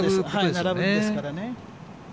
並ぶんですからね。